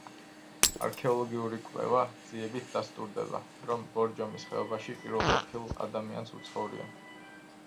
არქეოლოგიური კვლევა-ძიებით დასტურდება, რომ ბორჯომის ხეობაში პირველყოფილ ადამიანს უცხოვრია.